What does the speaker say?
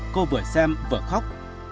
cô vừa xem vừa khóc